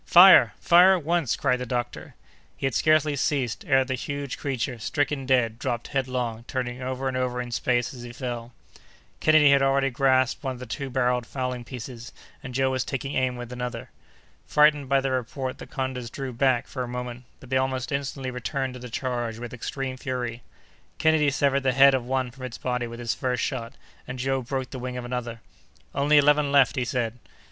"Fire! fire at once!" cried the doctor. He had scarcely ceased, ere the huge creature, stricken dead, dropped headlong, turning over and over in space as he fell. Kennedy had already grasped one of the two barrelled fowling pieces and Joe was taking aim with another. Frightened by the report, the condors drew back for a moment, but they almost instantly returned to the charge with extreme fury. Kennedy severed the head of one from its body with his first shot, and Joe broke the wing of another. "Only eleven left," said he.